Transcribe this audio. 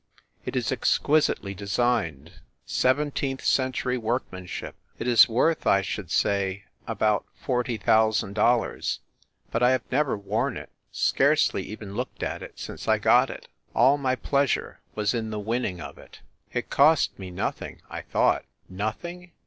It is exquisitely designed seven 132 FIND THE WOMAN teenth century workmanship; it is worth, I should say, about forty thousand dollars. But I have never worn it, scarcely even looked at it, since I got it. All my pleasure was in the winning of it. It cost me nothing, I thought. Nothing?